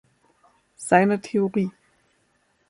Seine Theorie.